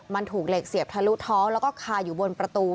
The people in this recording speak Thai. มันถูกเหล็กเสียบทะลุท้องแล้วก็คาอยู่บนประตู